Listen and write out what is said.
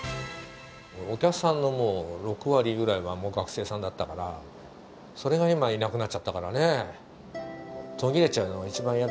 お客さんのもう６割ぐらいが、もう学生さんだったから、それが今いなくなっちゃったからね。